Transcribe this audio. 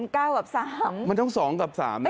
๙กับ๓มันต้อง๒กับ๓นะ